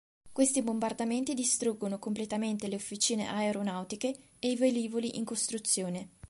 Questi bombardamenti distruggono completamente le Officine Aeronautiche e i velivoli in costruzione.